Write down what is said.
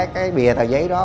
cái bìa tài giấy đó